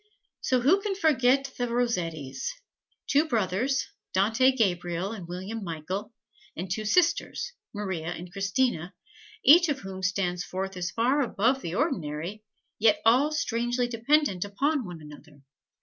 So who can forget the Rossettis two brothers, Dante Gabriel and William Michael, and two sisters, Maria and Christina each of whom stands forth as far above the ordinary, yet all strangely dependent upon one another?